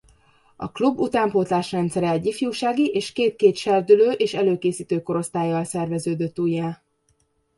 A klub utánpótlás rendszere egy ifjúsági és két-két serdülő és előkészítő korosztállyal szerveződött újjá.